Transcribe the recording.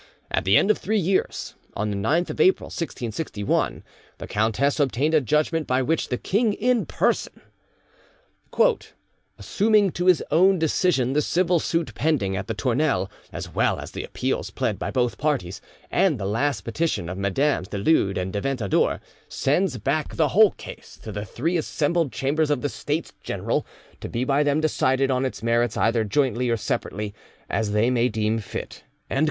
At the end of three years, on the 9th of April 1661, the countess obtained a judgment by which the king in person: "Assuming to his own decision the civil suit pending at the Tournelle, as well as the appeals pled by both parties, and the last petition of Mesdames du Lude and de Ventadour, sends back the whole case to the three assembled chambers of the States General, to be by them decided on its merits either jointly or separately, as they may deem fit."